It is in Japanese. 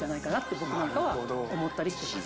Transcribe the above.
僕なんかは思ったりしてます。